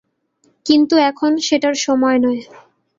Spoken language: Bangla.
কিন্তু এখন সেটার সময় নয়।